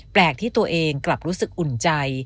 ที่ตัวเองกลับรู้สึกอุ่นใจ